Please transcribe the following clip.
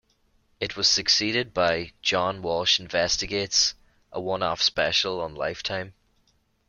It was succeeded by "John Walsh Investigates", a one-off special on Lifetime.